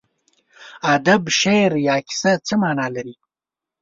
ادب، شعر یا کیسه څه مانا لري.